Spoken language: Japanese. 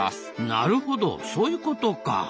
なるほどそういうことか。